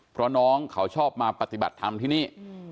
เพราะน้องเขาชอบมาปฏิบัติธรรมที่นี่